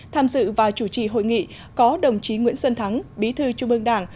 tham dự và chủ trì hội nghị có đồng chí nguyễn xuân thắng bí thư trung ương đảng